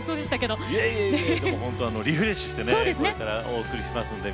リフレッシュしてお送りしますのでね。